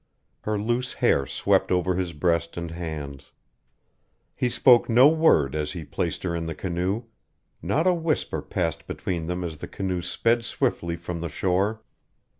Her loose hair swept over his breast and hands. He spoke no word as he placed her in the canoe. Not a whisper passed between them as the canoe sped swiftly from the shore.